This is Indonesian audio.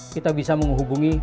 kita bisa menghubungi